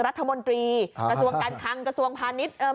รัฐมนตรีกระทรวงการคังกระทรวงพาณิชย์